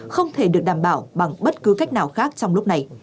không thể được đảm bảo bằng bất cứ cách nào khác trong lúc này